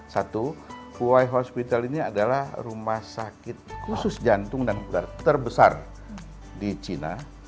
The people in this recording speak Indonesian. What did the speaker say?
satu fuwai hospital ini adalah rumah sakit khusus jantung dan ular terbesar di china